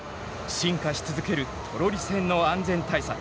進化し続けるトロリ線の安全対策。